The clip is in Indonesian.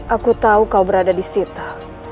aku tahu kau berada di sita